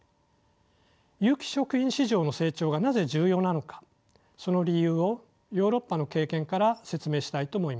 有機食品市場の成長がなぜ重要なのかその理由をヨーロッパの経験から説明したいと思います。